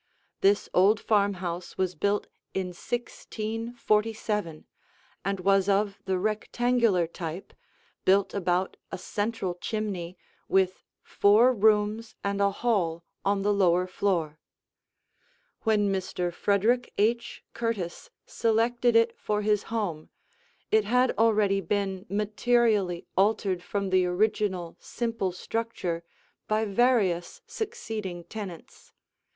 This old farmhouse was built in 1647 and was of the rectangular type, built about a central chimney, with four rooms and a hall on the lower floor. When Mr. Frederick H. Curtis selected it for his home, it had already been materially altered from the original simple structure by various succeeding tenants.